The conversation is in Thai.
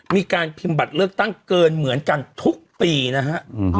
มีการพิมพ์บัตรเลือกตั้งเกินเหมือนกันทุกปีนะฮะ